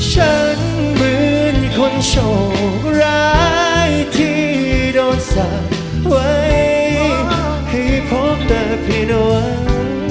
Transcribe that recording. เหมือนคนโชคร้ายที่โดนสับไว้ให้พบแต่เพียงวัน